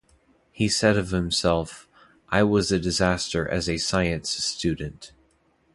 He said of himself, "I was a disaster as a science student".